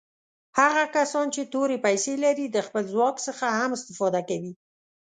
هغه کسان چې تورې پیسي لري د خپل ځواک څخه هم استفاده کوي.